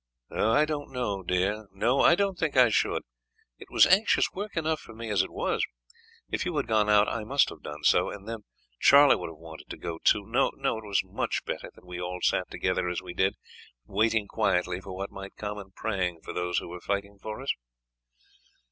"I don't know, dear; no, I don't think I should. It was anxious work enough for me as it was. If you had gone out I must have done so, and then Charlie would have wanted to go too. No; it was much better that we all sat together as we did, waiting quietly for what might come, and praying for those who were fighting for us."